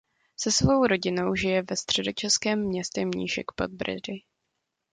Se svou rodinou žije ve středočeském městě Mníšek pod Brdy.